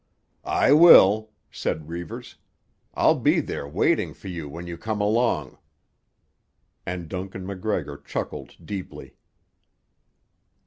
"I will," said Reivers. "I'll be there waiting for you when you come along." And Duncan MacGregor chuckled deeply.